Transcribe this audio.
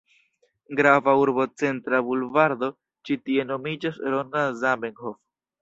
Grava urbocentra bulvardo ĉi tie nomiĝas Ronda Zamenhof.